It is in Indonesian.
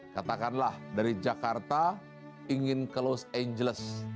katakanlah dari jakarta ingin ke los angeles